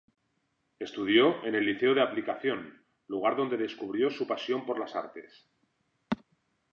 Estudió en el Liceo de Aplicación, lugar donde descubrió su pasión por las artes.